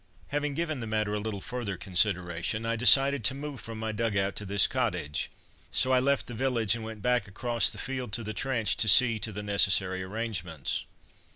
Having given the matter a little further consideration I decided to move from my dug out to this cottage, so I left the village and went back across the field to the trench to see to the necessary arrangements.